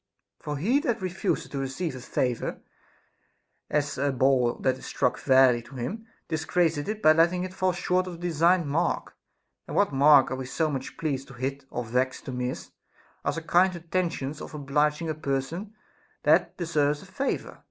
For he that refuseth to receive a favor, as a ball that is struck fairly to him, disgraceth it by letting it fall short of the designed mark ; and what mark are we so much pleased to hit or vexed to miss, as our kind intentions of obliging a person that deserves a favor'?